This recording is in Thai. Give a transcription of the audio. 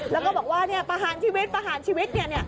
แล้วก็บอกว่าประหารชีวิตนี่